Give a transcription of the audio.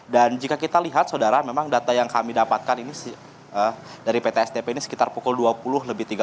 dan jika kita lihat saudara memang data yang kami dapatkan ini dari pt asdp ini sekitar pukul dua puluh lebih tiga puluh